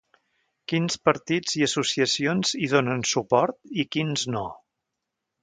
Quins partits i associacions hi donen suport i quins no?